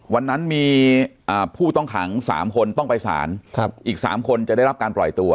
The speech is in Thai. วันนั้นมีผู้ต้องขัง๓คนต้องไปสารอีก๓คนจะได้รับการปล่อยตัว